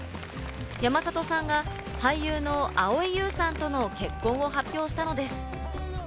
山里さんが俳優の蒼井優さんとの結婚を発表したのです。